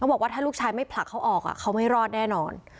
บอกว่าถ้าลูกชายไม่ผลักเขาออกเขาไม่รอดแน่นอน